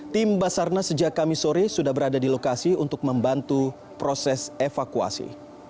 tim basarna sejak kami sore sudah berada di lokasi untuk membantu proses evakuasi